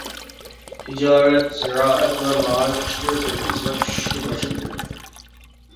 تىجارەت، زىرائەت، ۋە مائارىپ ئىشلىرى بىر ئىزغا چۈشۈشكە باشلىدى.